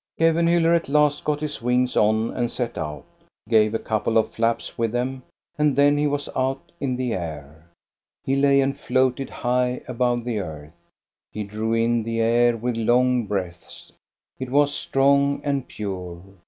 Kevenhiiller at last got his wings on and set out. He gave a couple of flaps with them, and then he was out in the air. He lay and floated high above the earth. He drew in the air with long breaths; it was strong and pure.